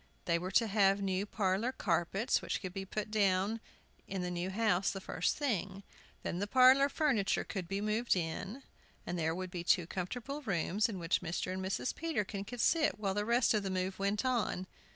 They were to have new parlor carpets, which could be put down in the new house the first thing. Then the parlor furniture could be moved in, and there would be two comfortable rooms, in which Mr. and Mrs. Peterkin could sit while the rest of the move went on.